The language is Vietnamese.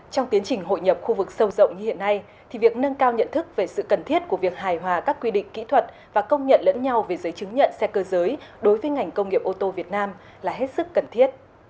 trong tiến trình hội nhập khu vực sâu rộng như hiện nay thì việc nâng cao nhận thức về sự cần thiết của việc hài hòa các quy định kỹ thuật và công nhận lẫn nhau về giấy chứng nhận xe cơ giới đối với ngành công nghiệp ô tô việt nam là hết sức cần thiết